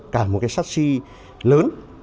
cả một cái chassis lớn